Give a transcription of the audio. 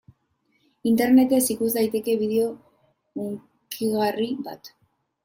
Internetez ikus daiteke bideo hunkigarri bat.